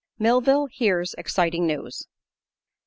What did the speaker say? MILLVILLE HEARS EXCITING NEWS.